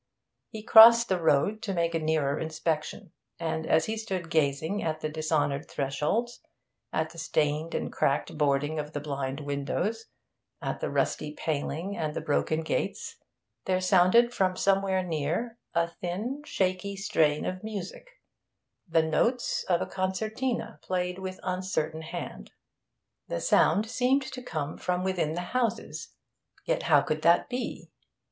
He crossed the road to make a nearer inspection; and as he stood gazing at the dishonoured thresholds, at the stained and cracked boarding of the blind windows, at the rusty paling and the broken gates, there sounded from somewhere near a thin, shaky strain of music, the notes of a concertina played with uncertain hand. The sound seemed to come from within the houses, yet how could that be?